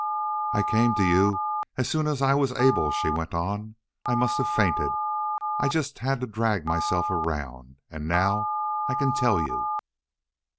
"I came to you as soon as I was able," she went on. "I must have fainted. I just had to drag myself around.... And now I can tell you."